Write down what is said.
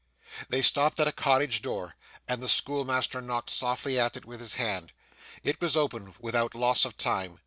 They stopped at a cottage door, and the schoolmaster knocked softly at it with his hand. It was opened without loss of time.